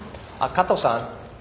加藤さん。